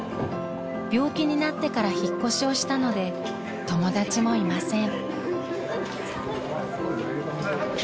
病気になってから引っ越しをしたので友達もいません。